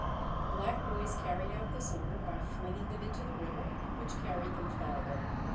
The black boys carried out this order by flinging them into the river, which carried them farther.